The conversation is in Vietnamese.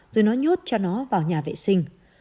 rồi nó nhốt cho nó vào nhà vệ sinh